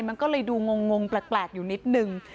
มันก็เลยดูงงแปลกอยู่นิดนึง